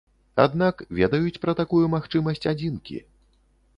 Аднак, ведаюць пра такую магчымасць адзінкі.